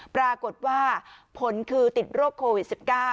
ปรากฏว่าผลคือติดโรคโควิด๑๙